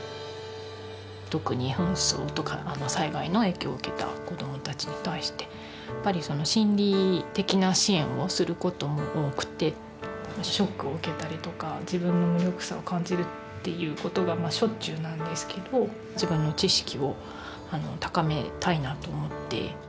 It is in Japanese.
特に紛争とか災害の影響を受けた子どもたちに対してやっぱりその心理的な支援をする事も多くてショックを受けたりとか自分の無力さを感じるっていう事がしょっちゅうなんですけど自分の知識を高めたいなと思って。